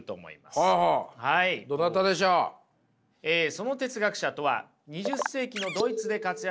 その哲学者とは２０世紀のドイツで活躍したガダマーです。